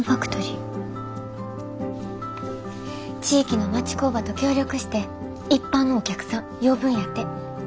地域の町工場と協力して一般のお客さん呼ぶんやて。